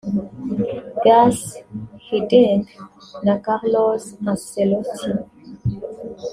Guus Hiddink na Carlos Anceloti